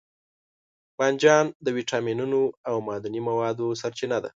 بانجان د ویټامینونو او معدني موادو سرچینه ده.